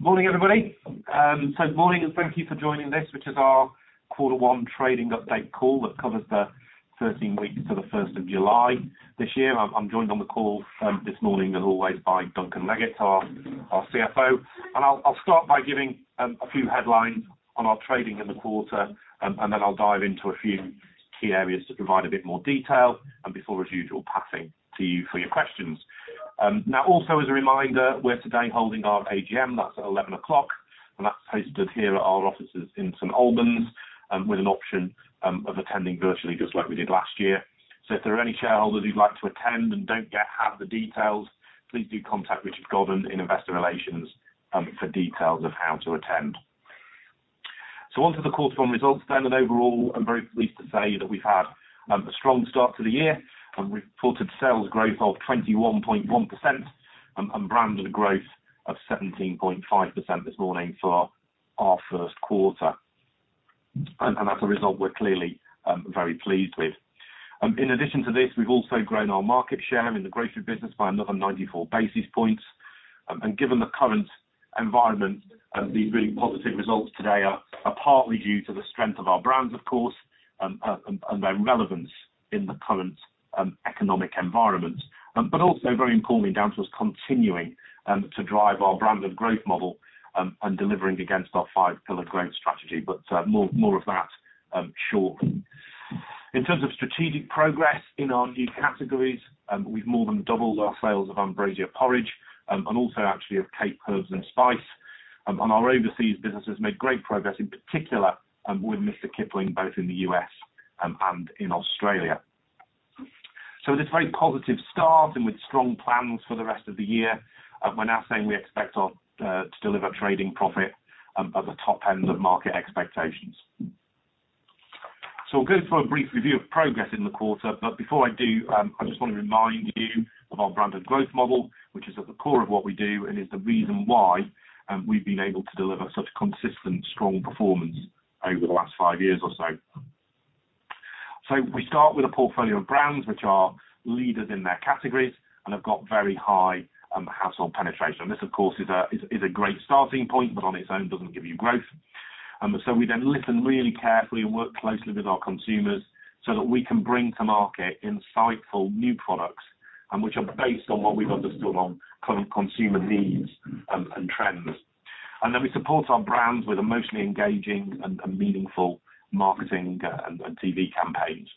Morning, everybody. Morning, and thank you for joining this, which is our quarter one trading update call that covers the 13 weeks to the 1st of July this year. I'm joined on the call this morning, as always, by Duncan Leggett, our CFO. I'll start by giving a few headlines on our trading in the quarter, and then I'll dive into a few key areas to provide a bit more detail, and before, as usual, passing to you for your questions. Also as a reminder, we're today holding our AGM, that's at 11:00 A.M., and that's hosted here at our offices in St Albans, with an option of attending virtually, just like we did last year. If there are any shareholders who'd like to attend and don't yet have the details, please do contact Richard Godwin in Investor Relations for details of how to attend. Onto the quarter one results, I'm very pleased to say that we've had a strong start to the year, reported sales growth of 21.1%, and branded growth of 17.5% this morning for our first quarter. That's a result we're clearly very pleased with. In addition to this, we've also grown our market share in the grocery business by another 94 basis points. Given the current environment, these really positive results today are partly due to the strength of our brands, of course, and their relevance in the current economic environment. Also, very importantly, down to us continuing to drive our brand and growth model, and delivering against our five-pillar growth strategy, but more of that shortly. In terms of strategic progress in our new categories, we've more than doubled our sales of Ambrosia porridge, and also actually of Cape Herb & Spice. Our overseas business has made great progress, in particular, with Mr. Kipling, both in the US, and in Australia. With this very positive start, and with strong plans for the rest of the year, we're now saying we expect our to deliver trading profit at the top end of market expectations. I'll go through a brief review of progress in the quarter, but before I do, I just want to remind you of our brand and growth model, which is at the core of what we do and is the reason why we've been able to deliver such consistent strong performance over the last five years or so. We start with a portfolio of brands which are leaders in their categories and have got very high household penetration. This, of course, is a great starting point, but on its own doesn't give you growth. We then listen really carefully and work closely with our consumers, so that we can bring to market insightful new products, which are based on what we've understood on current consumer needs and trends. We support our brands with emotionally engaging and meaningful marketing and TV campaigns.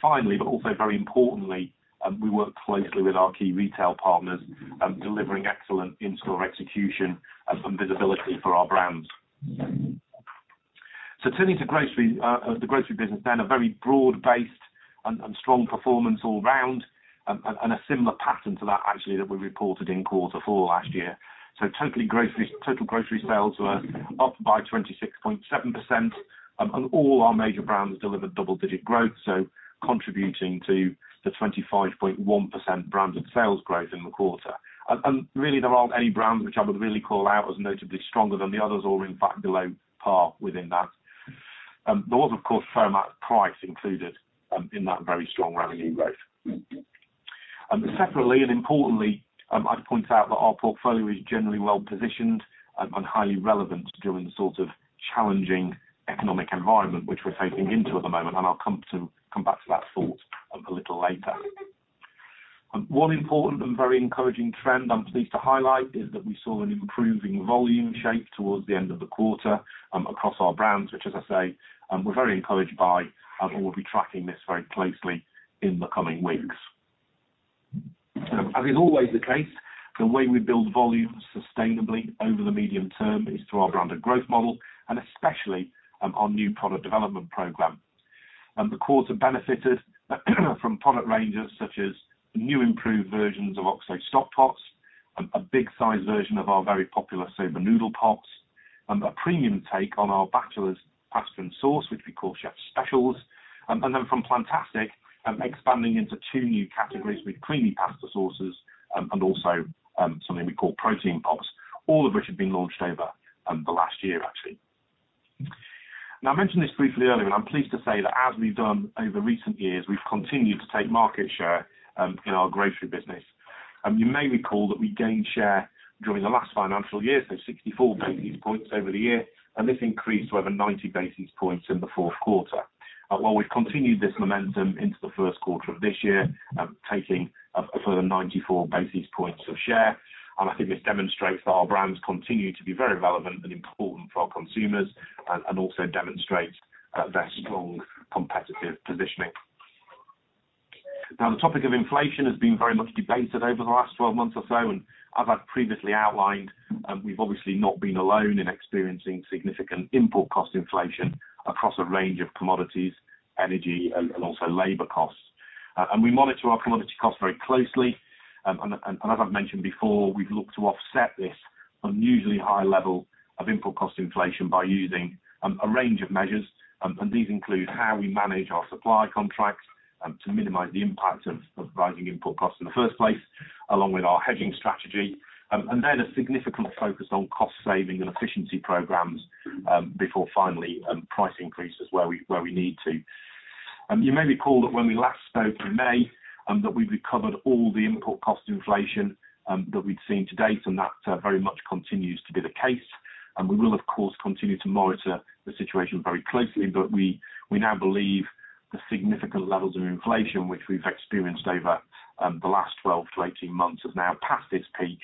Finally, but also very importantly, we work closely with our key retail partners on delivering excellent in-store execution and visibility for our brands. Turning to grocery, the grocery business, then a very broad-based and strong performance all round, and a similar pattern to that, actually, that we reported in quarter four last year. Totally grocery, total grocery sales were up by 26.7%, and all our major brands delivered double-digit growth, contributing to the 25.1% branded sales growth in the quarter. Really, there aren't any brands which I would really call out as notably stronger than the others, or in fact, below par within that. There was, of course, firm price included, in that very strong revenue growth. Separately and importantly, I'd point out that our portfolio is generally well positioned and highly relevant during the sort of challenging economic environment which we're taking into at the moment, and I'll come back to that thought a little later. One important and very encouraging trend I'm pleased to highlight is that we saw an improving volume shape towards the end of the quarter, across our brands, which, as I say, we're very encouraged by, and we'll be tracking this very closely in the coming weeks. As is always the case, the way we build volume sustainably over the medium term is through our brand and growth model, and especially, our new product development program. The quarter benefited from product ranges, such as new improved versions of Oxo stockpots, a big-sized version of our very popular Soba Noodle Pots, a premium take on our Batchelors Pasta and Sauce, which we call Chef's Special. From Plantastic, expanding into two new categories with creamy pasta sauces, and also something we call protein pots, all of which have been launched over the last year, actually. I mentioned this briefly earlier, and I'm pleased to say that as we've done over recent years, we've continued to take market share in our grocery business. You may recall that we gained share during the last financial year, 64 basis points over the year, this increased to over 90 basis points in the fourth quarter. We've continued this momentum into the first quarter of this year, taking a further 94 basis points of share. I think this demonstrates that our brands continue to be very relevant and important for our consumers and also demonstrate their strong competitive positioning. Now, the topic of inflation has been very much debated over the last 12 months or so, and as I've previously outlined, we've obviously not been alone in experiencing significant input cost inflation across a range of commodities, energy, and also labor costs. We monitor our commodity costs very closely, and as I've mentioned before, we've looked to offset this unusually high level of input cost inflation by using a range of measures. These include how we manage our supply contracts, to minimize the impact of rising input costs in the first place, along with our hedging strategy, and then a significant focus on cost saving and efficiency programs, before finally, price increases where we need to. You may recall that when we last spoke in May, that we'd recovered all the input cost inflation, that we'd seen to date, and that, very much continues to be the case. We will, of course, continue to monitor the situation very closely, but we now believe the significant levels of inflation which we've experienced over the last 12 months-18 months, have now passed its peak.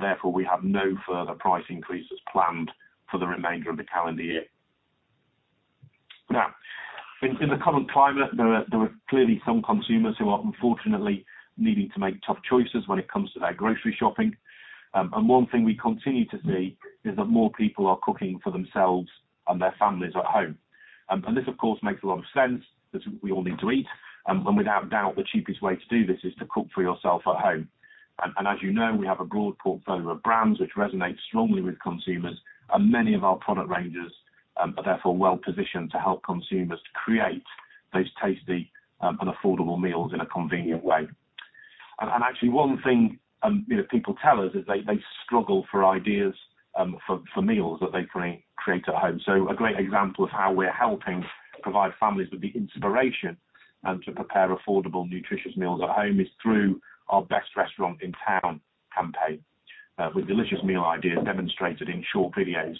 Therefore, we have no further price increases planned for the remainder of the calendar year. Now, in the current climate, there are clearly some consumers who are unfortunately needing to make tough choices when it comes to their grocery shopping. One thing we continue to see is that more people are cooking for themselves and their families at home. This, of course, makes a lot of sense, because we all need to eat, without doubt, the cheapest way to do this is to cook for yourself at home. As you know, we have a broad portfolio of brands, which resonates strongly with consumers, and many of our product ranges are therefore well positioned to help consumers to create those tasty and affordable meals in a convenient way. Actually one thing, you know, people tell us is they struggle for ideas for meals that they create at home. A great example of how we're helping provide families with the inspiration and to prepare affordable, nutritious meals at home, is through our Best Restaurant in Town campaign, with delicious meal ideas demonstrated in short videos.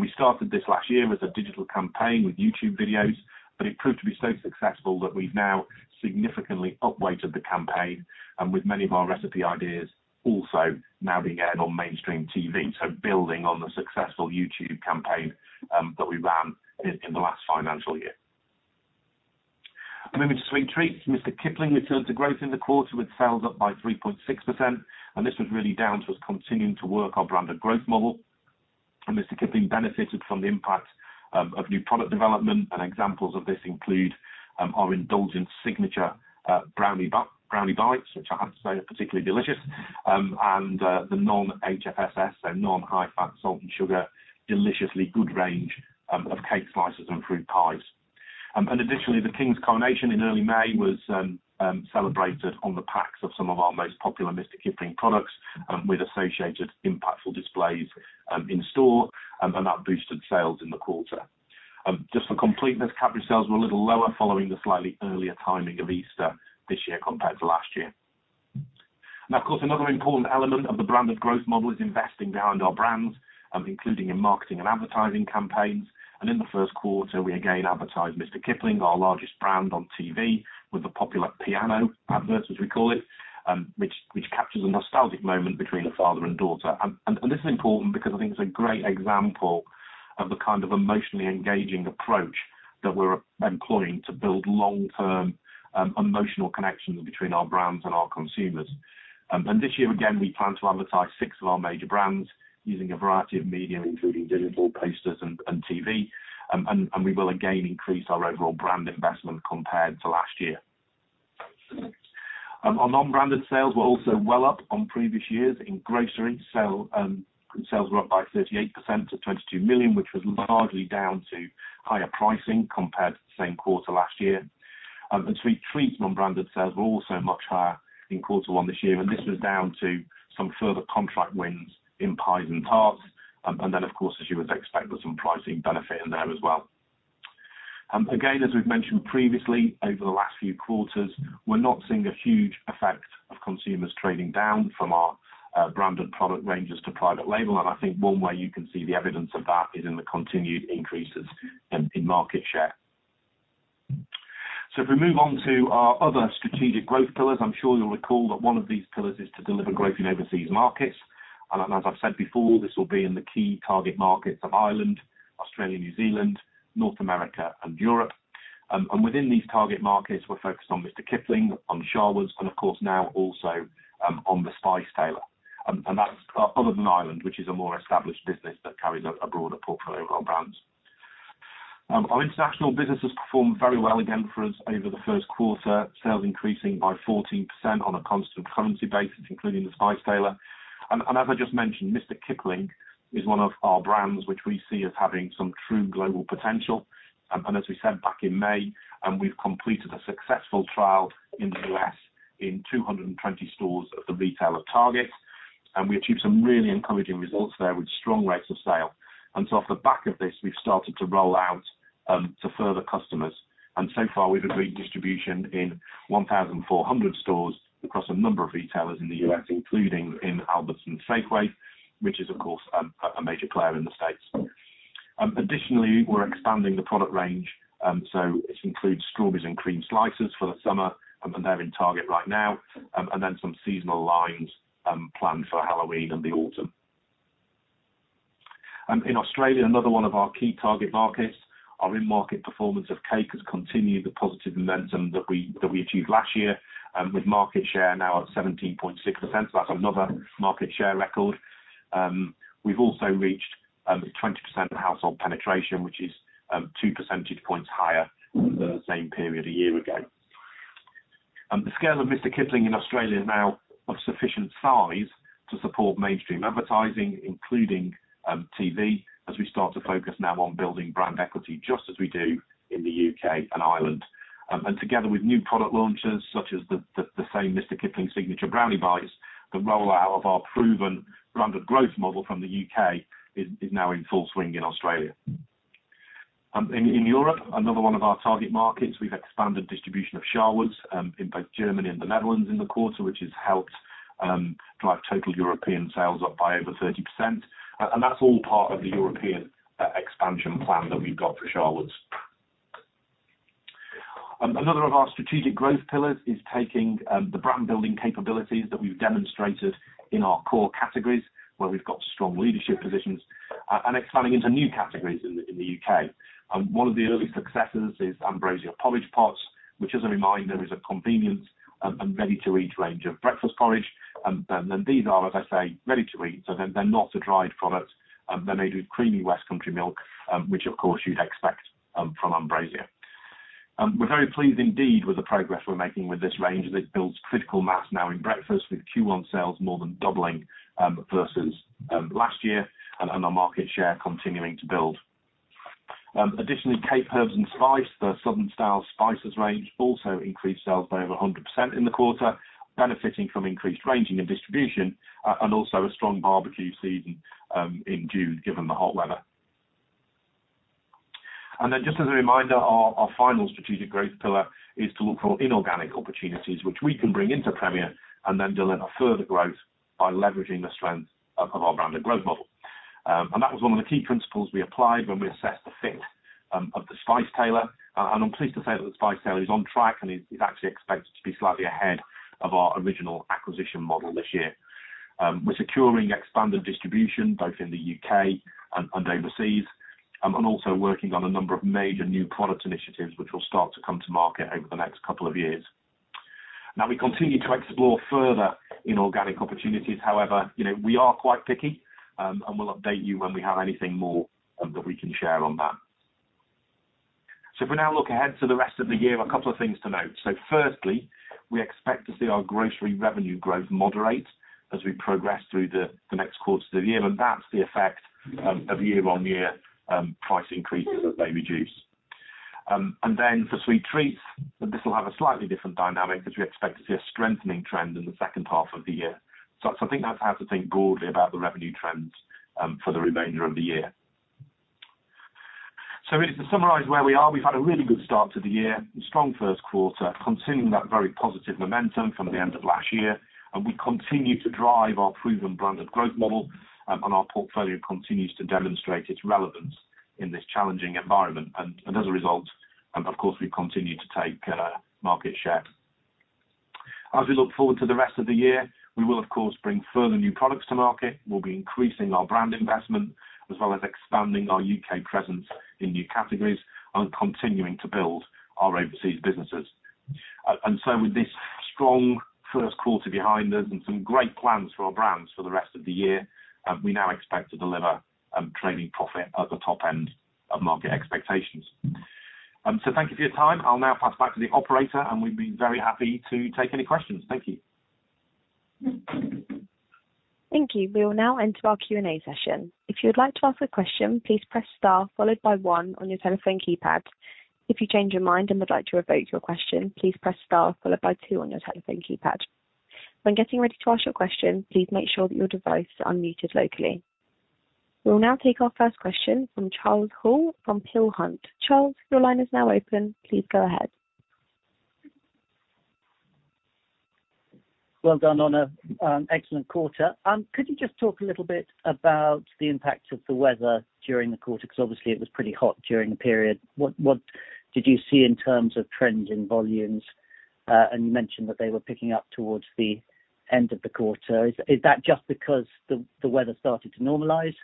We started this last year with a digital campaign with YouTube videos, but it proved to be so successful that we've now significantly upweighted the campaign, and with many of our recipe ideas also now being aired on mainstream TV. Building on the successful YouTube campaign that we ran in the last financial year. Moving to sweet treats, Mr. Kipling returned to growth in the quarter with sales up by 3.6%. This was really down to us continuing to work our brand of growth model. Mr. Kipling benefited from the impact of new product development, and examples of this include our indulgent Signature Brownie Bites, which I have to say are particularly delicious, and the non-HFSS, so non-high fat, salt, and sugar, Deliciously Good range of cake slices and fruit pies. Additionally, the King's Coronation in early May was celebrated on the packs of some of our most popular Mr. Kipling products, with associated impactful displays in store. That boosted sales in the quarter. Just for completeness, Cadbury sales were a little lower following the slightly earlier timing of Easter this year compared to last year. Now, of course, another important element of the brand of growth model is investing behind our brands, including in marketing and advertising campaigns. In the first quarter, we again advertised Mr. Kipling, our largest brand, on TV with the popular piano adverts, as we call it, which captures a nostalgic moment between a father and daughter. This is important because I think it's a great example of the kind of emotionally engaging approach that we're employing to build long-term emotional connections between our brands and our consumers. This year, again, we plan to advertise six of our major brands using a variety of media, including digital, posters, and TV. We will again increase our overall brand investment compared to last year. Our non-branded sales were also well up on previous years in grocery. Sales were up by 38% to 22 million, which was largely down to higher pricing compared to the same quarter last year. Sweet treats non-branded sales were also much higher in Q1 this year, and this was down to some further contract wins in pies and tarts. Of course, as you would expect, there's some pricing benefit in there as well. Again, as we've mentioned previously, over the last few quarters, we're not seeing a huge effect of consumers trading down from our branded product ranges to private label. I think one way you can see the evidence of that, is in the continued increases in market share. If we move on to our other strategic growth pillars, I'm sure you'll recall that one of these pillars is to deliver growth in overseas markets. As I've said before, this will be in the key target markets of Ireland, Australia, New Zealand, North America, and Europe. Within these target markets, we're focused on Mr. Kipling, on Sharwood's, and of course, now also on The Spice Tailor. That's other than Ireland, which is a more established business that carries a broader portfolio of our brands. Our international business has performed very well again for us over the first quarter, sales increasing by 14% on a constant currency basis, including The Spice Tailor. As I just mentioned, Mr. Kipling is one of our brands which we see as having some true global potential. As we said back in May, we've completed a successful trial in the U.S. in 220 stores of the retailer, Target, we achieved some really encouraging results there with strong rates of sale. Off the back of this, we've started to roll out to further customers. So far, we've agreed distribution in 1,400 stores across a number of retailers in the U.S., including in Albertsons and Safeway, which is, of course, a major player in the states. Additionally, we're expanding the product range, so this includes strawberries and cream slices for the summer, they're in Target right now. Some seasonal lines planned for Halloween and the autumn. In Australia, another one of our key target markets, our in-market performance of cake has continued the positive momentum that we achieved last year, with market share now at 17.6%. That's another market share record. We've also reached 20% household penetration, which is 2 percentage points higher than the same period a year ago. The scale of Mr. Kipling in Australia is now of sufficient size to support mainstream advertising, including TV, as we start to focus now on building brand equity, just as we do in the U.K. and Ireland. Together with new product launches, such as the same Mr. Kipling Signature Brownie Bites, the rollout of our proven branded growth model from the U.K. is now in full swing in Australia. In, in Europe, another one of our target markets, we've expanded distribution of Sharwood's in both Germany and the Netherlands in the quarter, which has helped drive total European sales up by over 30%. That's all part of the European expansion plan that we've got for Sharwood's. Another of our strategic growth pillars is taking the brand building capabilities that we've demonstrated in our core categories, where we've got strong leadership positions, and expanding into new categories in the, in the UK. One of the early successes is Ambrosia porridge pots, which as a reminder, is a convenient and ready-to-eat range of breakfast porridge. These are, as I say, ready to eat, so they're not a dried product. They're made with creamy West Country milk, which of course you'd expect from Ambrosia. We're very pleased indeed with the progress we're making with this range, as it builds critical mass now in breakfast, with Q1 sales more than doubling versus last year, and our market share continuing to build. Additionally, Cape Herb & Spice, the southern style spices range, also increased sales by over 100% in the quarter, benefiting from increased ranging and distribution, and also a strong barbecue season in June, given the hot weather. Just as a reminder, our final strategic growth pillar is to look for inorganic opportunities, which we can bring into Premier, and then deliver further growth by leveraging the strength of our branded growth model. That was one of the key principles we applied when we assessed the fit of The Spice Tailor. I'm pleased to say that The Spice Tailor is on track and is actually expected to be slightly ahead of our original acquisition model this year. We're securing expanded distribution both in the UK and overseas, also working on a number of major new product initiatives, which will start to come to market over the next couple of years. We continue to explore further inorganic opportunities. You know, we are quite picky, we'll update you when we have anything more that we can share on that. If we now look ahead to the rest of the year, a couple of things to note. Firstly, we expect to see our grocery revenue growth moderate as we progress through the next quarter of the year. That's the effect of year-on-year price increases as they reduce. Then for sweet treats, this will have a slightly different dynamic, as we expect to see a strengthening trend in the second half of the year. I think that's how to think broadly about the revenue trends for the remainder of the year. Really to summarize where we are, we've had a really good start to the year, a strong first quarter, continuing that very positive momentum from the end of last year, and we continue to drive our proven branded growth model, and our portfolio continues to demonstrate its relevance in this challenging environment. As a result, of course, we continue to take market share. As we look forward to the rest of the year, we will, of course, bring further new products to market. We'll be increasing our brand investment, as well as expanding our U.K. presence in new categories, and continuing to build our overseas businesses. With this strong first quarter behind us and some great plans for our brands for the rest of the year, we now expect to deliver trading profit at the top end of market expectations. Thank you for your time. I'll now pass back to the operator, and we'd be very happy to take any questions. Thank you. Thank you. We will now enter our Q&A session. If you would like to ask a question, please press star followed by one on your telephone keypad. If you change your mind and would like to revoke your question, please press star followed by two on your telephone keypad. When getting ready to ask your question, please make sure that your device is unmuted locally. We will now take our first question from Charles Hall, from Peel Hunt. Charles, your line is now open. Please go ahead. Well done on an excellent quarter. Could you just talk a little bit about the impact of the weather during the quarter? Because obviously it was pretty hot during the period. What did you see in terms of trends in volumes? You mentioned that they were picking up towards the end of the quarter. Is that just because the weather started to normalize,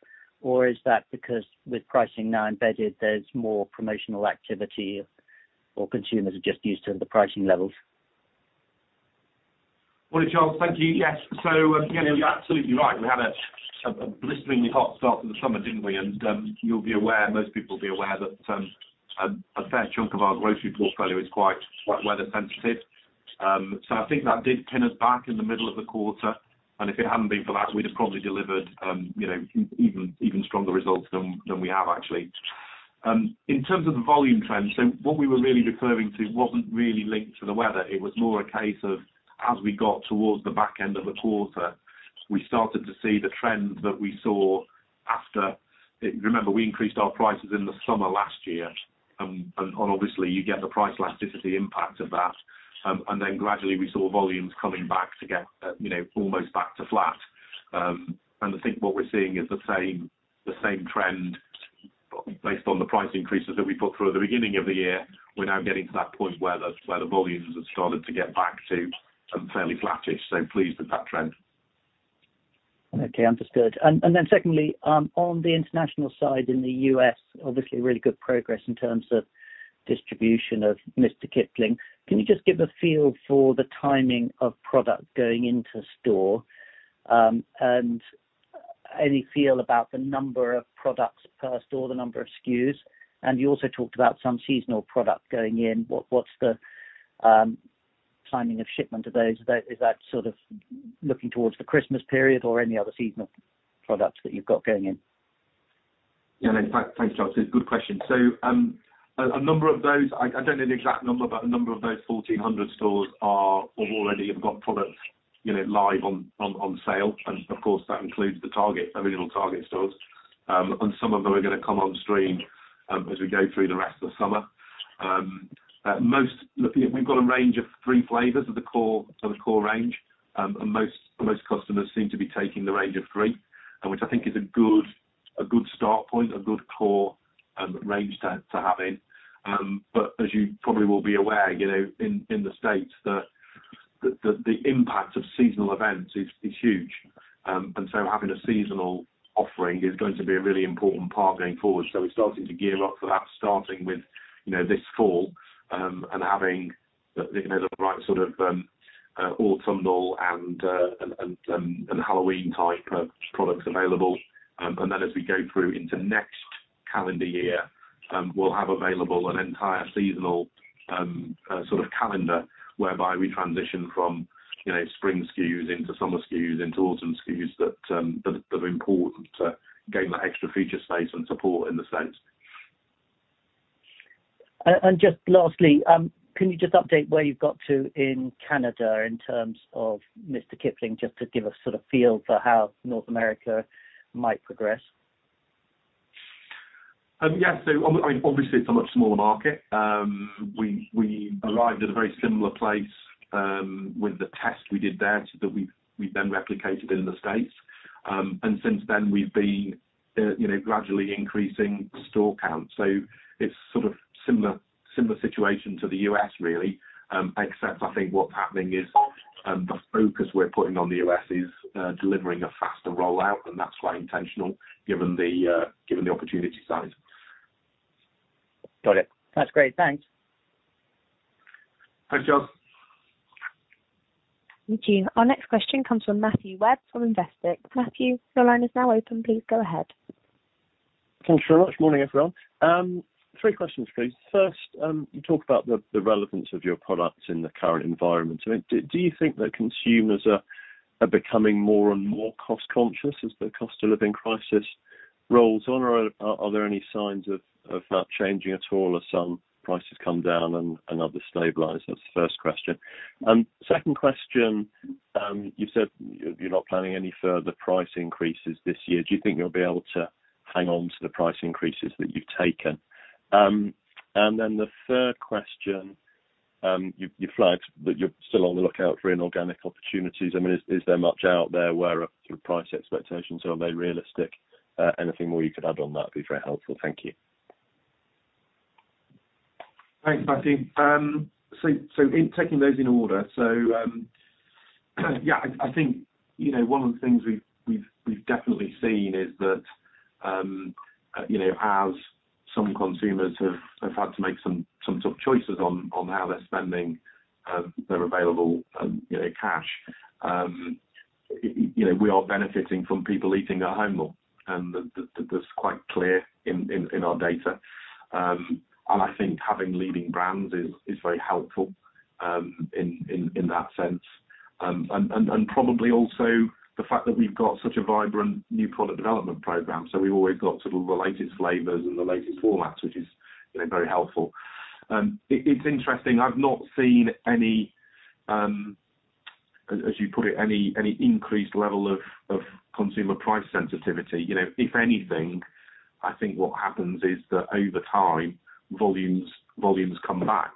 or is that because with pricing now embedded, there's more promotional activity, or consumers are just used to the pricing levels? Well, Charles, thank you. Yes, you're absolutely right. We had a blisteringly hot start to the summer, didn't we? You'll be aware, most people will be aware, that a fair chunk of our grocery portfolio is quite weather sensitive. I think that did pin us back in the middle of the quarter, and if it hadn't been for that, we'd have probably delivered, you know, even stronger results than we have actually. In terms of the volume trends, what we were really referring to wasn't really linked to the weather. It was more a case of, as we got towards the back end of the quarter, we started to see the trends that we saw after... Remember we increased our prices in the summer last year, and obviously, you get the price elasticity impact of that. Gradually we saw volumes coming back to get, you know, almost back to flat. I think what we're seeing is the same trend, based on the price increases that we put through at the beginning of the year, we're now getting to that point where the volumes have started to get back to fairly flattish. Pleased with that trend. Okay, understood. Then secondly, on the international side, in the U.S., obviously really good progress in terms of distribution of Mr. Kipling. Can you just give a feel for the timing of product going into store? Any feel about the number of products per store, the number of SKUs? You also talked about some seasonal product going in. What's the timing of shipment of those? Is that sort of looking towards the Christmas period or any other seasonal products that you've got going in? Yeah, in fact, thanks, Charles. It's a good question. A number of those, I don't know the exact number, but a number of those 1,400 stores have already got products, you know, live on sale. Of course, that includes the Target, original Target stores. Some of them are gonna come on stream as we go through the rest of the summer. Most, look, we've got a range of three flavors of the core range. Most customers seem to be taking the range of three, and which I think is a good start point, a good core range to have in. As you probably will be aware, you know, in the States, the impact of seasonal events is huge. Having a seasonal offering is going to be a really important part going forward. We're starting to gear up for that, starting with, you know, this fall, and having the, you know, the right sort of autumnal and Halloween-type of products available. Then as we go through into next calendar year, we'll have available an entire seasonal sort of calendar, whereby we transition from, you know, spring SKUs into summer SKUs, into autumn SKUs, that are important to gain that extra feature, space, and support in the sense. Just lastly, can you just update where you've got to in Canada in terms of Mr. Kipling, just to give a sort of feel for how North America might progress? Yeah. I mean, obviously, it's a much smaller market. We arrived at a very similar place with the test we did there, that we've then replicated in the States. Since then we've been, you know, gradually increasing the store count. It's sort of similar situation to the U.S. really. Except I think what's happening is, the focus we're putting on the U.S. is delivering a faster rollout, and that's quite intentional, given the given the opportunity size. Got it. That's great. Thanks. Thanks, Charles. Thank you. Our next question comes from Matthew Webb from Investec. Matthew, your line is now open. Please go ahead. Thanks very much. Morning, everyone. Three questions, please. First, you talked about the relevance of your products in the current environment. I mean, do you think that consumers are becoming more and more cost conscious as the cost of living crisis rolls on or are there any signs of that changing at all as some prices come down and others stabilize? That's the first question. Second question, you said you're not planning any further price increases this year. Do you think you'll be able to hang on to the price increases that you've taken? Then the third question, you flagged that you're still on the lookout for inorganic opportunities. I mean, is there much out there where through price expectations, are they realistic? Anything more you could add on that would be very helpful. Thank you. Thanks, Matthew. Yeah, I think, you know, one of the things we've definitely seen is that, you know, as some consumers have had to make some tough choices on how they're spending their available, you know, cash, you know, we are benefiting from people eating at home more, and that's quite clear in our data. I think having leading brands is very helpful in that sense. Probably also the fact that we've got such a vibrant new product development program, so we've always got sort of the latest flavors and the latest formats, which is, you know, very helpful. It's interesting, I've not seen any, as you put it, any increased level of consumer price sensitivity. You know, if anything, I think what happens is that over time, volumes come back,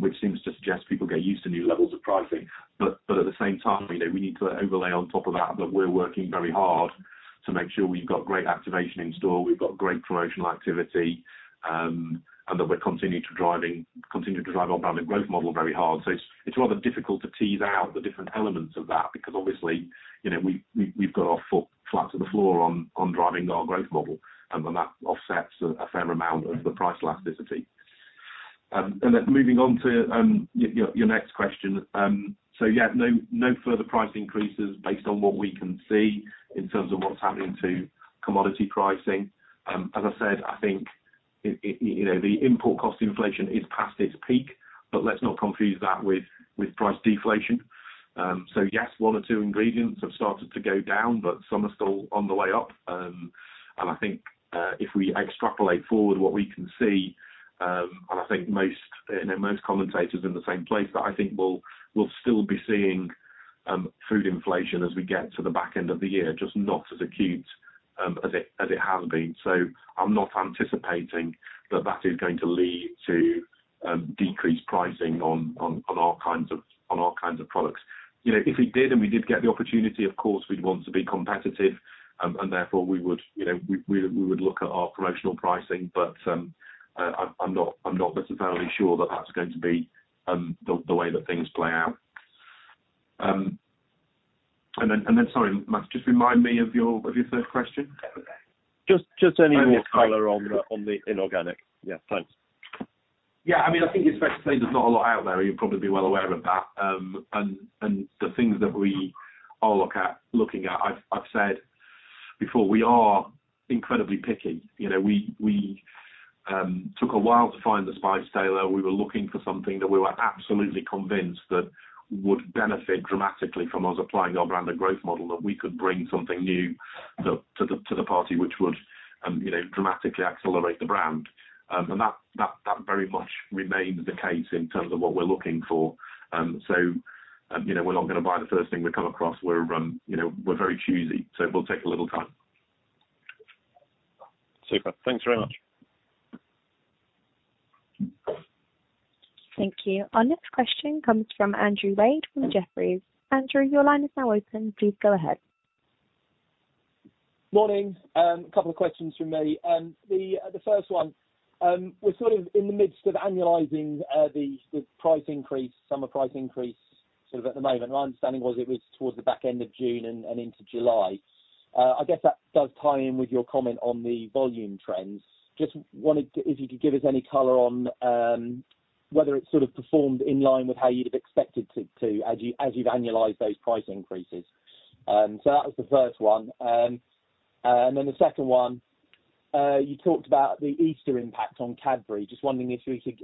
which seems to suggest people get used to new levels of pricing. At the same time, you know, we need to overlay on top of that we're working very hard to make sure we've got great activation in store, we've got great promotional activity, and that we're continuing to drive our branded growth model very hard. It's rather difficult to tease out the different elements of that because obviously, you know, we've got our foot flat to the floor on driving our growth model, and then that offsets a fair amount of the price elasticity. Moving on to your next question. Yeah, no further price increases based on what we can see in terms of what's happening to commodity pricing. As I said, I think it, you know, the import cost inflation is past its peak, but let's not confuse that with price deflation. Yes, one or two ingredients have started to go down, but some are still on the way up. I think, if we extrapolate forward what we can see, and I think most, you know, most commentators are in the same place, but I think we'll still be seeing food inflation as we get to the back end of the year, just not as acute, as it has been. I'm not anticipating that that is going to lead to decreased pricing on all kinds of products. You know, if we did, and we did get the opportunity, of course, we'd want to be competitive, and therefore we would, you know, we would look at our promotional pricing. I'm not necessarily sure that that's going to be the way that things play out. Sorry, Matt, just remind me of your third question? Just any more color? Sorry on the inorganic. Yeah, thanks. Yeah, I mean, I think it's fair to say there's not a lot out there, you'd probably be well aware of that. The things that we are looking at, I've said before, we are incredibly picky. You know, we took a while to find The Spice Tailor. We were looking for something that we were absolutely convinced that would benefit dramatically from us applying our brand and growth model, that we could bring something new to the party, which would, you know, dramatically accelerate the brand. That very much remains the case in terms of what we're looking for. You know, we're not gonna buy the first thing we come across. We're, you know, we're very choosy, so it will take a little time. Super. Thanks very much. Thank you. Our next question comes from Andrew Wade with Jefferies. Andrew, your line is now open. Please go ahead. Morning. A couple of questions from me. The first one, we're sort of in the midst of annualizing the price increase, summer price increase, sort of, at the moment. My understanding was it was towards the back end of June and into July. I guess that does tie in with your comment on the volume trends. Just wanted to if you could give us any color on whether it sort of performed in line with how you'd have expected it to, as you, as you've annualized those price increases. So that was the first one. Then the second one, you talked about the Easter impact on Cadbury. Just wondering if we could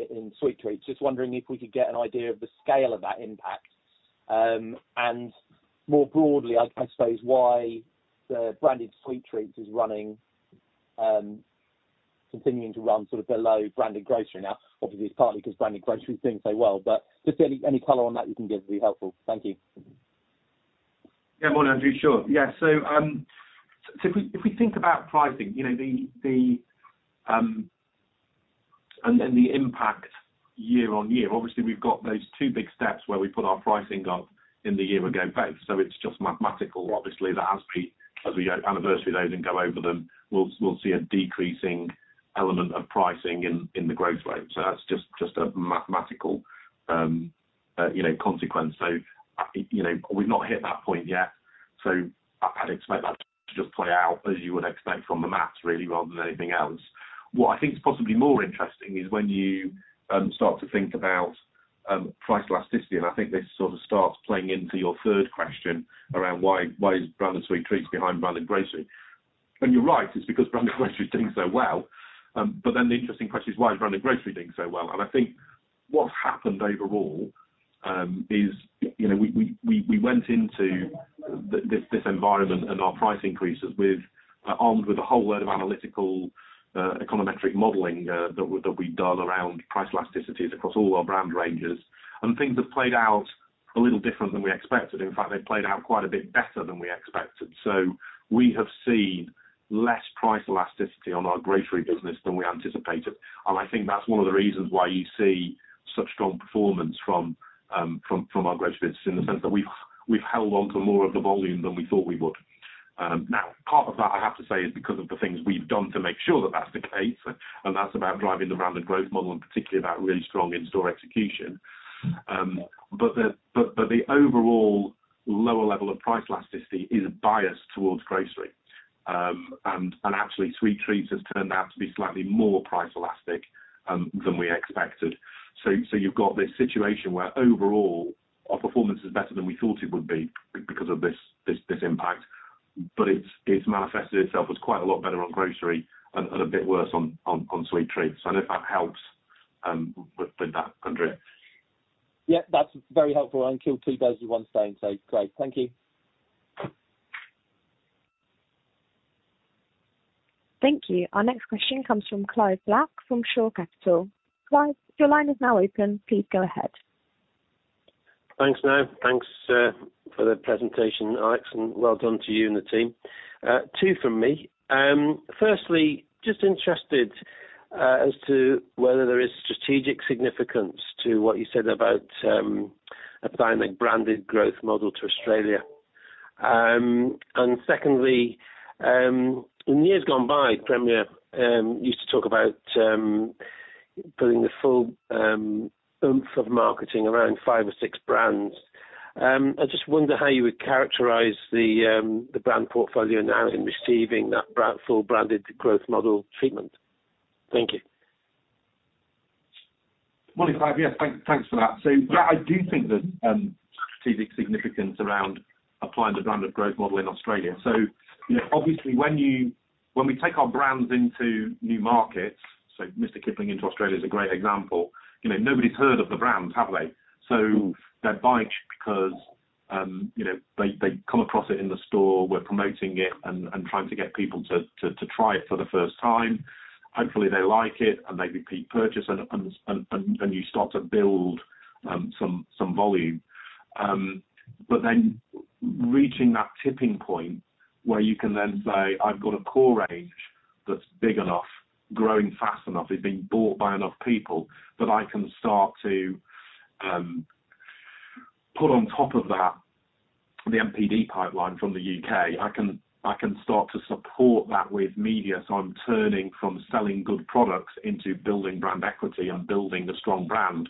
in sweet treats, just wondering if we could get an idea of the scale of that impact? More broadly, I suppose, why the branded sweet treats is running, continuing to run sort of below branded grocery now. Obviously, it's partly because branded grocery is doing so well, but just any color on that you can give will be helpful. Thank you. Yeah. Morning, Andrew. Sure. Yeah. If we think about pricing, you know, the impact year-on-year, obviously, we've got those two big steps where we put our pricing up in the year ago both. It's just mathematical, obviously, that as we anniversary those and go over them, we'll see a decreasing element of pricing in the growth rate. That's just a mathematical, you know, consequence. You know, we've not hit that point yet, so I'd expect that to just play out as you would expect from the math really, rather than anything else. What I think is possibly more interesting is when you start to think about price elasticity, and I think this sort of starts playing into your third question, around why is branded sweet treats behind branded grocery? You're right, it's because branded grocery is doing so well. The interesting question is, why is branded grocery doing so well? I think what's happened overall is, you know, we went into this environment and our price increases with armed with a whole load of analytical econometric modeling that we that we've done around price elasticities across all our brand ranges. Things have played out a little different than we expected. In fact, they played out quite a bit better than we expected. We have seen less price elasticity on our grocery business than we anticipated. I think that's one of the reasons why you see such strong performance from our grocery business, in the sense that we've held on to more of the volume than we thought we would. Now, part of that, I have to say, is because of the things we've done to make sure that that's the case, and that's about driving the branded growth model, and particularly that really strong in-store execution. The overall lower level of price elasticity is biased towards grocery. Actually, sweet treats has turned out to be slightly more price elastic than we expected. You've got this situation where overall our performance is better than we thought it would be because of this impact. It's manifested itself as quite a lot better on grocery and a bit worse on sweet treats. I don't know if that helps with that, Andrew. Yeah, that's very helpful. I killed two birds with one stone, so great. Thank you. Thank you. Our next question comes from Clive Black, from Shore Capital. Clive, your line is now open. Please go ahead. Thanks, Nia. Thanks for the presentation, Alex, and well done to you and the team. Two from me. Firstly, just interested as to whether there is strategic significance to what you said about applying a branded growth model to Australia. Secondly, in years gone by, Premier used to talk about putting the full oomph of marketing around five or six brands. I just wonder how you would characterize the brand portfolio now in receiving that full branded growth model treatment. Thank you. Morning, Clive. Yes, thank, thanks for that. Yeah, I do think there's strategic significance around applying the branded growth model in Australia. You know, obviously, when we take our brands into new markets, Mr Kipling into Australia is a great example, you know, nobody's heard of the brand, have they? They're buying it because, you know, they come across it in the store, we're promoting it and trying to get people to try it for the first time. Hopefully, they like it, and they repeat purchase, and you start to build some volume. Reaching that tipping point, where you can then say, "I've got a core range that's big enough, growing fast enough, it's being bought by enough people, that I can start to put on top of that, the MPD pipeline from the U.K. I can start to support that with media, so I'm turning from selling good products into building brand equity and building a strong brand."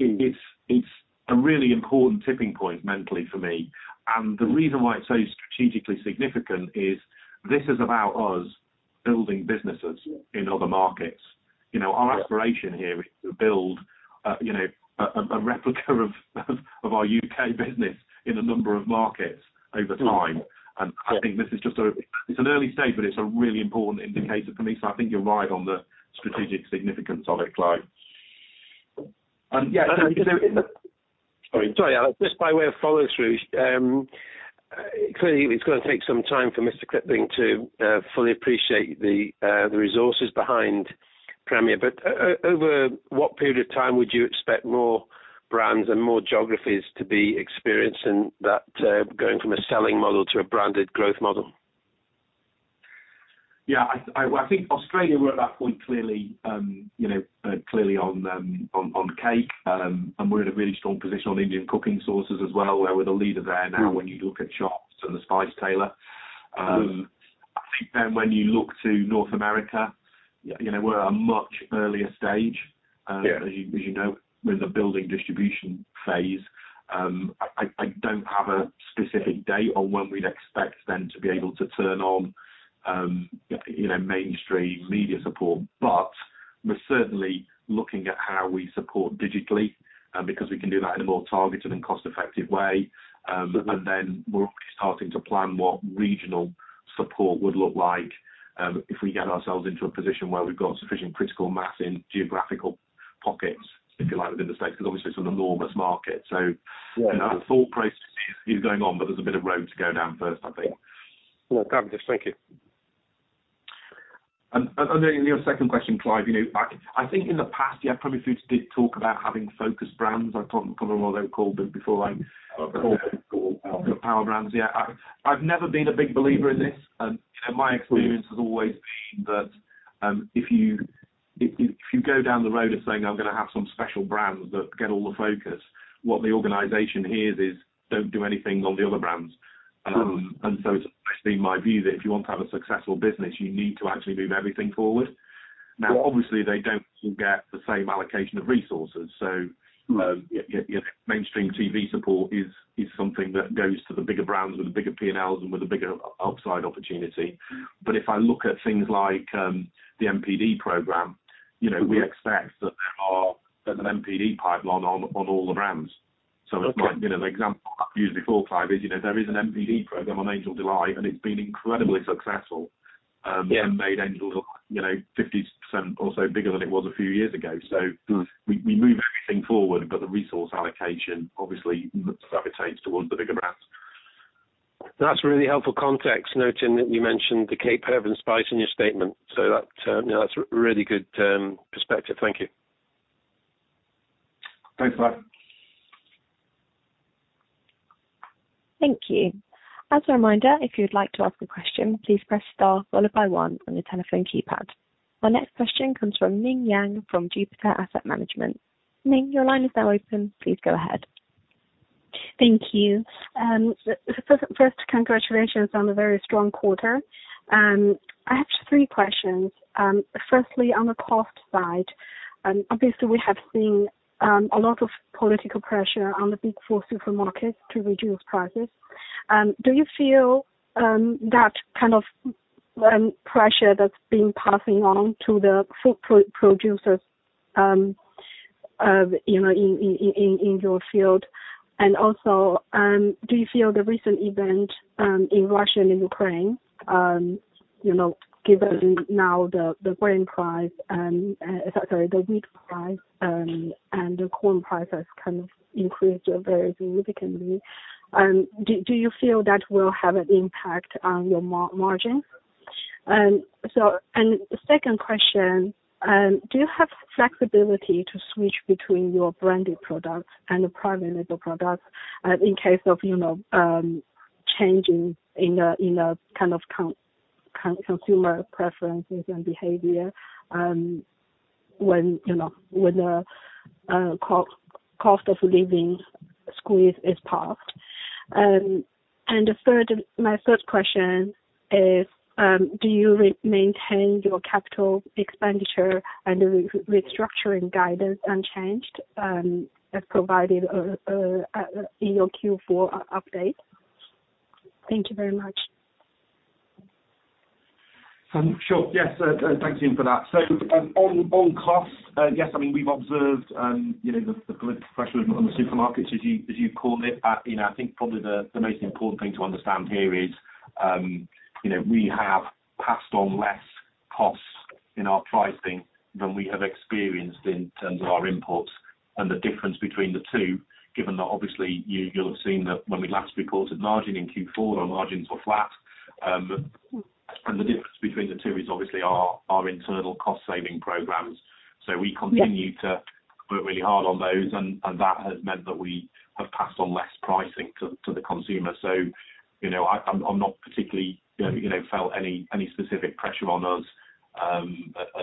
It's a really important tipping point mentally for me. The reason why it's so strategically significant is, this is about us building businesses in other markets. You know, our aspiration here is to build, you know, a replica of our U.K. business in a number of markets over time. I think this is just it's an early stage, but it's a really important indicator for me, so I think you're right on the strategic significance of it, Clive. Sorry, just by way of follow through, clearly it's going to take some time for Mr. Kipling to fully appreciate the resources behind Premier, over what period of time would you expect more brands and more geographies to be experiencing that, going from a selling model to a branded growth model? Yeah, I think Australia, we're at that point, clearly, you know, clearly on cake. We're in a really strong position on Indian cooking sauces as well, where we're the leader there now, when you look at shops and The Spice Tailor. Mm. I think then when you look to North America, you know, we're at a much earlier stage. Yeah. As you know, we're in the building distribution phase. I don't have a specific date on when we'd expect them to be able to turn on, you know, mainstream media support. We're certainly looking at how we support digitally, because we can do that in a more targeted and cost-effective way. Mm. We're obviously starting to plan what regional support would look like, if we get ourselves into a position where we've got sufficient critical mass in geographical pockets, if you like, within the States, because obviously it's an enormous market. Yeah. The thought process is going on, but there's a bit of road to go down first, I think. Well, fabulous. Thank you. Then your second question, Clive, you know, I think in the past, Premier Foods did talk about having focused brands. I can't remember what they were called before. Okay, cool. Power brands, yeah. I've never been a big believer in this. You know, my experience has always been that, if you go down the road of saying, I'm gonna have some special brands that get all the focus, what the organization hears is, don't do anything on the other brands. Mm. It's actually my view that if you want to have a successful business, you need to actually move everything forward. Yeah. Obviously, they don't all get the same allocation of resources. Mm. Yeah, mainstream TV support is something that goes to the bigger brands with the bigger PNLs and with a bigger outside opportunity. Mm. if I look at things like, the MPD program, you know. Mm we expect that an MPD pipeline on all the brands. Okay. you know, the example I've used before, Clive, is, you know, there is an MPD program on Angel Delight, and it's been incredibly successful. Yeah. made Angel, you know, 50% or so bigger than it was a few years ago. Mm. We move everything forward, but the resource allocation, obviously, gravitates towards the bigger brands. That's really helpful context, noting that you mentioned the Cape Herb & Spice in your statement. That, you know, that's really good, perspective. Thank you. Thanks, bye. Thank you. As a reminder, if you'd like to ask a question, please press star followed by one on your telephone keypad. Our next question comes from Ning Yang, from Jupiter Asset Management. Ning, your line is now open. Please go ahead. Thank you. First, congratulations on a very strong quarter. I have three questions. Firstly, on the cost side, obviously, we have seen a lot of political pressure on the big four supermarkets to reduce prices. Do you feel that kind of pressure that's been passing on to the food producers, you know, in your field? Also, do you feel the recent event in Russia and Ukraine, you know, given now the wheat price and the corn prices kind of increased very significantly, do you feel that will have an impact on your margin? The second question, do you have flexibility to switch between your branded products and the private label products, in case of, you know, changing in a kind of consumer preferences and behavior, when, you know, when the cost of living squeeze is passed? And the third, my third question is, do you maintain your capital expenditure and the restructuring guidance unchanged, as provided in your Q4 update? Thank you very much. Sure. Yes, thanks, Ning, for that. On, on costs, yes, I mean, we've observed, you know, the political pressure on the supermarkets, as you, as you called it. You know, I think probably the most important thing to understand here is, you know, we have passed on less costs in our pricing than we have experienced in terms of our inputs and the difference between the two, given that obviously you'll have seen that when we last reported margin in Q4, our margins were flat. The difference between the two is obviously our internal cost-saving programs. Yeah. We continue to work really hard on those, and that has meant that we have passed on less pricing to the consumer. You know, I'm not particularly, you know, felt any specific pressure on us,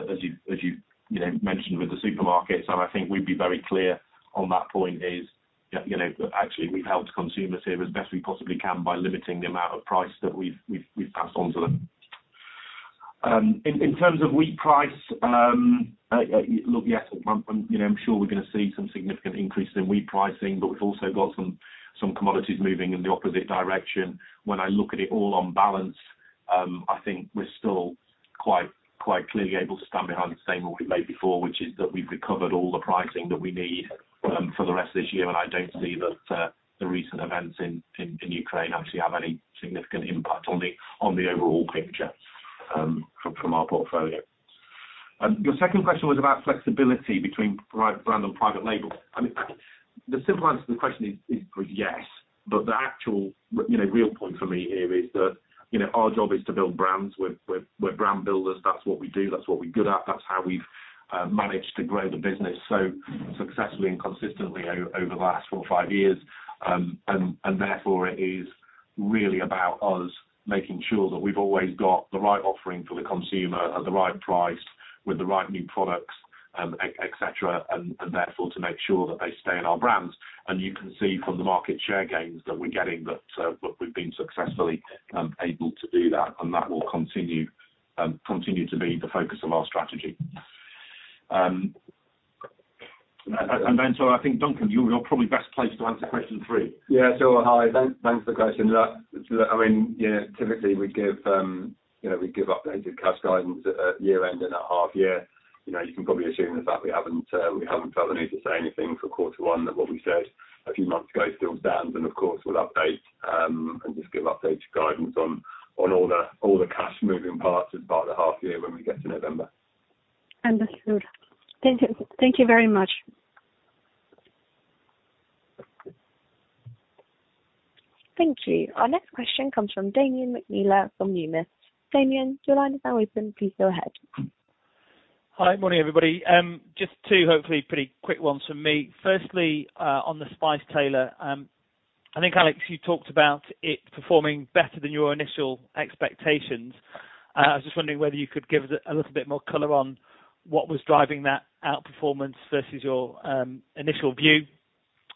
as you know, mentioned with the supermarkets, and I think we'd be very clear on that point is, you know, actually, we've helped consumers here as best we possibly can by limiting the amount of price that we've passed on to them. In terms of wheat price, look, yes, I'm, you know, I'm sure we're going to see some significant increases in wheat pricing, but we've also got some commodities moving in the opposite direction. When I look at it all on balance, I think we're still. quite clearly able to stand behind the same one we've made before, which is that we've recovered all the pricing that we need for the rest of this year. I don't see that the recent events in Ukraine actually have any significant impact on the overall picture from our portfolio. Your second question was about flexibility between brand and private label. I mean, the simple answer to the question is yes, but the actual, you know, real point for me here is that, you know, our job is to build brands. We're brand builders. That's what we do, that's what we're good at, that's how we've managed to grow the business so successfully and consistently over the last four or five years. Therefore, it is really about us making sure that we've always got the right offering for the consumer at the right price, with the right new products, et cetera, and therefore, to make sure that they stay in our brands. You can see from the market share gains that we're getting, that we've been successfully able to do that, and that will continue to be the focus of our strategy. I think, Duncan, you're probably best placed to answer question three. Hi, thanks for the question. I mean, yeah, typically we give, you know, updated cash guidance at year-end and at half year. You know, you can probably assume the fact we haven't felt the need to say anything for quarter one, that what we said a few months ago still stands. Of course, we'll update and just give updated guidance on all the cash moving parts about the half year when we get to November. Understood. Thank you, thank you very much. Thank you. Our next question comes from Damian McNeela from Numis. Damian, your line is now open. Please go ahead. Hi, morning, everybody. Just 2 hopefully pretty quick ones from me. Firstly, on The Spice Tailor, I think, Alex, you talked about it performing better than your initial expectations. I was just wondering whether you could give us a little bit more color on what was driving that outperformance versus your initial view,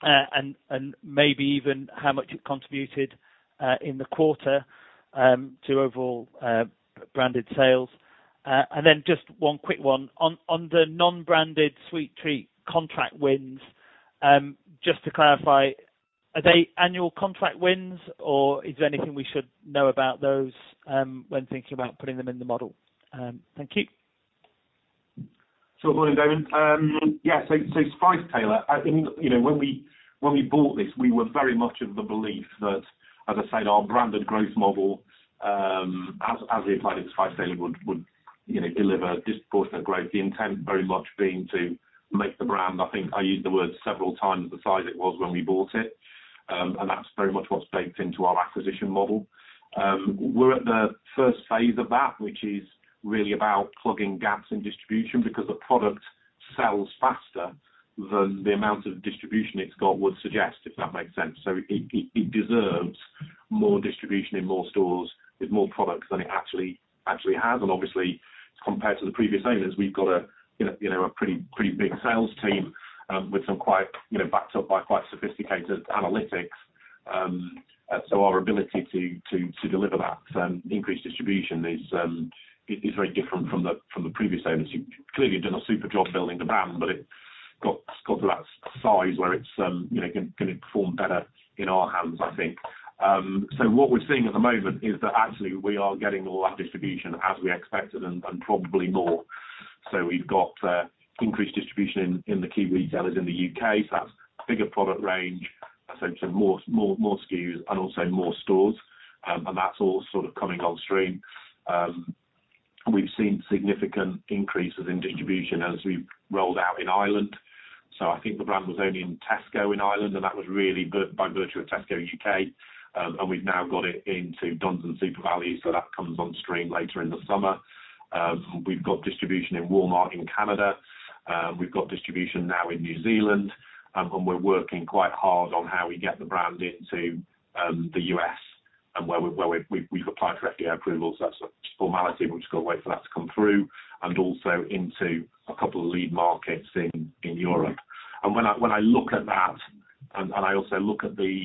and maybe even how much it contributed in the quarter to overall branded sales. Just 1 quick one. On the non-branded sweet treat contract wins, just to clarify, are they annual contract wins, or is there anything we should know about those when thinking about putting them in the model? Thank you. Good morning, Damian. Yeah, Spice Tailor, I think, you know, when we bought this, we were very much of the belief that, as I said, our branded growth model, as we applied it to Spice Tailor, would, you know, deliver disproportionate growth, the intent very much being to make the brand, I think I used the word several times, the size it was when we bought it. And that's very much what's baked into our acquisition model. We're at the first phase of that, which is really about plugging gaps in distribution because the product sells faster than the amount of distribution it's got would suggest, if that makes sense. It deserves more distribution in more stores with more products than it actually has. Obviously, compared to the previous owners, we've got a, you know, a pretty big sales team, with some quite, you know, backed up by quite sophisticated analytics. Our ability to deliver that increased distribution is very different from the previous owners. Who've clearly done a super job building the brand, but it's got to that size where it's, you know, gonna perform better in our hands, I think. What we're seeing at the moment is that actually we are getting all that distribution as we expected and probably more. We've got increased distribution in the key retailers in the U.K. That's bigger product range, essentially more SKUs and also more stores. That's all sort of coming on stream. We've seen significant increases in distribution as we've rolled out in Ireland. I think the brand was only in Tesco, in Ireland, and that was really by virtue of Tesco U.K. We've now got it into Dunnes and SuperValu, that comes on stream later in the summer. We've got distribution in Walmart in Canada, we've got distribution now in New Zealand, and we're working quite hard on how we get the brand into the U.S. and where we've applied for FDA approvals. That's a formality, we've just got to wait for that to come through, and also into a couple of lead markets in Europe. When I look at that, I also look at the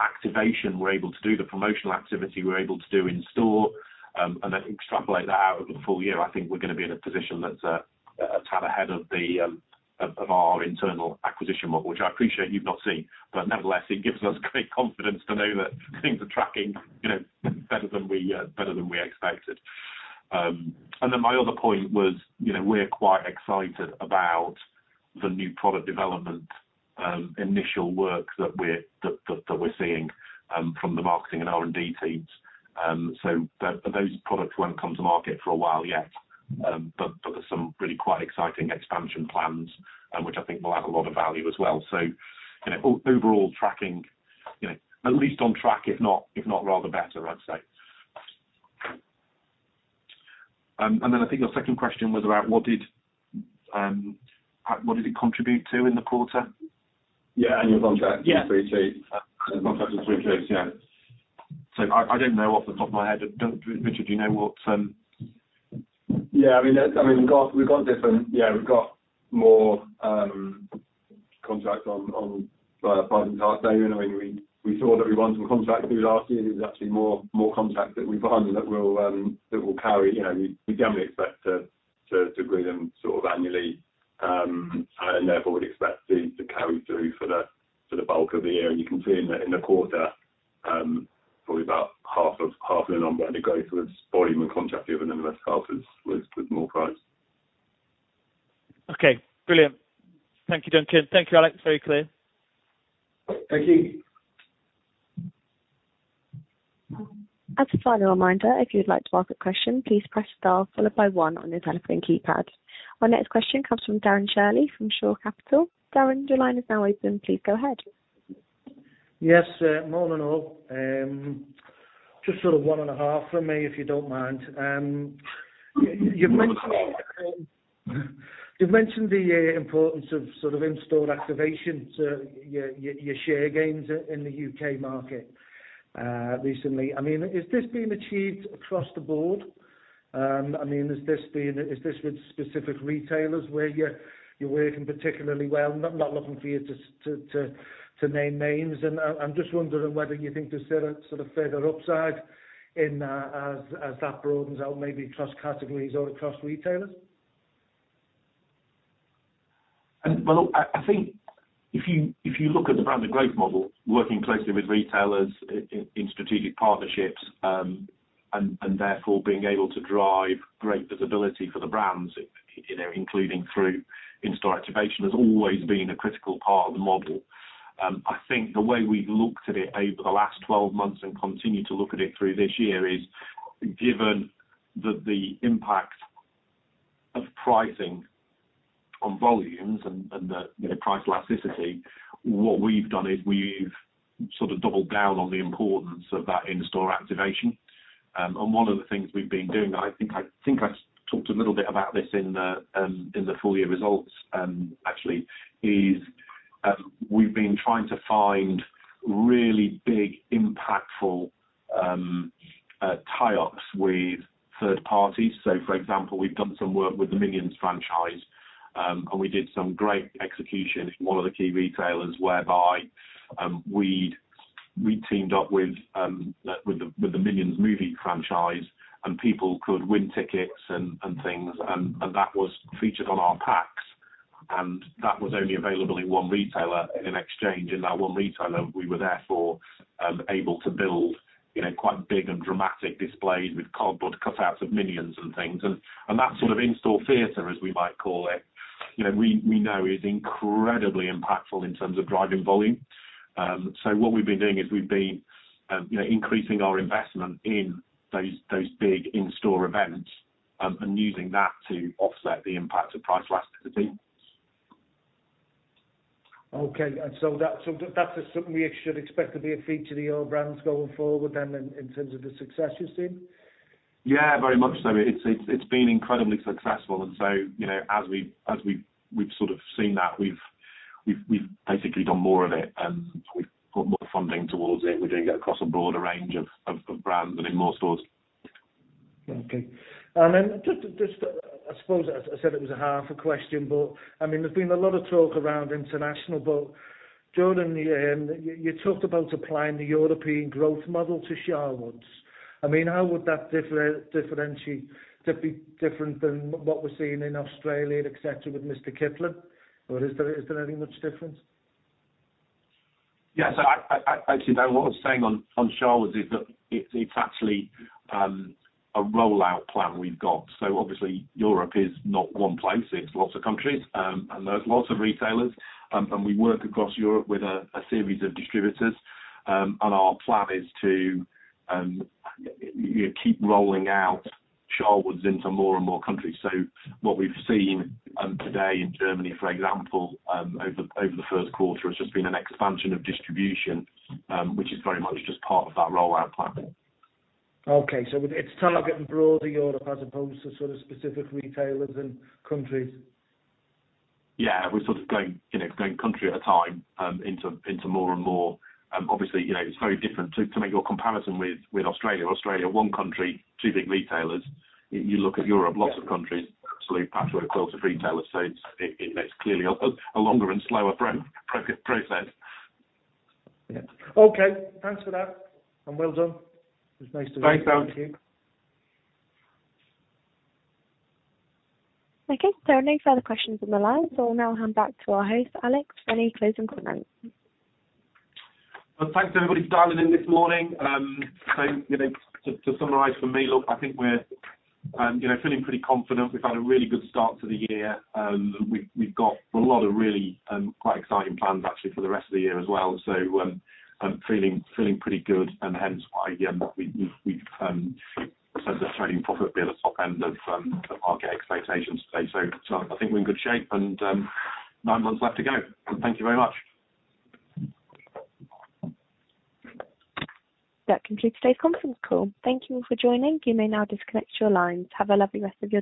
activation we're able to do, the promotional activity we're able to do in store, and then extrapolate that out over the full-year, I think we're gonna be in a position that's a tad ahead of our internal acquisition model, which I appreciate you've not seen. Nevertheless, it gives us great confidence to know that things are tracking, you know, better than we expected. My other point was, you know, we're quite excited about the new product development, initial work that we're seeing from the marketing and R&D teams. Those products won't come to market for a while yet, but there's some really quite exciting expansion plans, which I think will add a lot of value as well. You know, overall tracking, you know, at least on track, if not, if not, rather better, I'd say. I think your second question was about what did, what did it contribute to in the quarter? Yeah, annual contract-. Yeah. Sweet treats. Contracts and sweet treats, yeah. I don't know off the top of my head. Richard, do you know what? I mean, that's, I mean, we've got more contracts on private label. I mean, we saw that we won some contracts through last year. There's actually more contracts that we've won that will carry. You know, we generally expect to grow them sort of annually, and therefore, would expect these to carry through for the bulk of the year. You can see in the quarter... probably about half the number and it goes with volume and contract given and the rest half is with more price. Okay, brilliant. Thank you, Duncan. Thank you, Alex. Very clear. Thank you. As a final reminder, if you'd like to ask a question, please press star followed by one on your telephone keypad. Our next question comes from Darren Shirley, from Shore Capital. Darren, your line is now open. Please go ahead. Morning all. Just sort of one and a half from me, if you don't mind. You've mentioned the importance of sort of in-store activation to your share gains in the UK market recently. I mean, is this being achieved across the board? I mean, is this with specific retailers where you're working particularly well? I'm not looking for you to name names, and I'm just wondering whether you think there's still a sort of further upside in as that broadens out, maybe across categories or across retailers. Well, I think if you, if you look at the brand growth model, working closely with retailers in strategic partnerships, and therefore being able to drive great visibility for the brands, you know, including through in-store activation, has always been a critical part of the model. I think the way we've looked at it over the last 12 months and continue to look at it through this year, is given that the impact of pricing on volumes and the, you know, price elasticity, what we've done is we've sort of doubled down on the importance of that in-store activation. One of the things we've been doing, I think I talked a little bit about this in the full-year results, actually, is we've been trying to find really big, impactful tie-ups with third parties. For example, we've done some work with the Minions franchise. We did some great execution with one of the key retailers whereby we teamed up with the Minions movie franchise, and people could win tickets and things, and that was featured on our packs. That was only available in one retailer in exchange. In that one retailer, we were therefore able to build, you know, quite big and dramatic displays with cardboard cutouts of Minions and things. That sort of in-store theater, as we might call it, you know, we know is incredibly impactful in terms of driving volume. What we've been doing is we've been, you know, increasing our investment in those big in-store events, and using that to offset the impact of price elasticity. Okay. So that is something we should expect to be a feature of the all brands going forward then, in terms of the success you've seen? Yeah, very much so. It's been incredibly successful. You know, as we've sort of seen that, we've basically done more of it, and we've put more funding towards it. We're doing it across a broader range of brands and in more stores. Just, just, I suppose I said it was a half a question. I mean, there's been a lot of talk around international. During the, you talked about applying the European growth model to Sharwood's. I mean, how would that differentiate, to be different than what we're seeing in Australia, et cetera, with Mr Kipling? Or is there any much difference? Yes, actually, no, what I was saying on Sharwood's is that it's actually a rollout plan we've got. Obviously Europe is not one place, it's lots of countries. And there's lots of retailers, and we work across Europe with a series of distributors. And our plan is to, you know, keep rolling out Sharwood's into more and more countries. What we've seen, today in Germany, for example, over the first quarter, has just been an expansion of distribution, which is very much just part of that rollout plan. Okay. It's targeting broader Europe as opposed to sort of specific retailers and countries? We're sort of going, you know, going country at a time into more and more. Obviously, you know, it's very different to make your comparison with Australia. Australia, one country, two big retailers. You look at Europe, lots of countries, absolute patchworks of retailers. It makes clearly a longer and slower process. Yeah. Okay, thanks for that, and well done. It's nice to meet you. Thanks, Darren. Okay. There are no further questions on the line. I'll now hand back to our host, Alex, for any closing comments. Thanks everybody for dialing in this morning. You know, to summarize for me, look, I think we're feeling pretty confident. We've had a really good start to the year, we've got a lot of really quite exciting plans actually for the rest of the year as well. I'm feeling pretty good and hence why we've presented a trading profit be on the top end of the market expectations today. I think we're in good shape and nine months left to go. Thank you very much. That concludes today's conference call. Thank you for joining. You may now disconnect your lines. Have a lovely rest of your day.